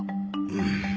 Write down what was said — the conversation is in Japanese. うん。